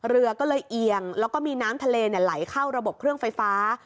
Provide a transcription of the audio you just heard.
เรือก็เลยเอียงแล้วก็มีน้ำทะเลไหลเข้าระบบเครื่องไฟฟ้า